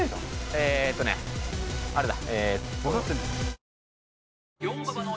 ⁉えーっとねあれだ。